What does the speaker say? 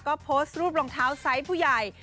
ก็โพสต์รูปรองเท้าไซส์ผู้ใหญ่